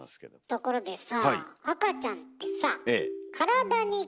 ところでさぁ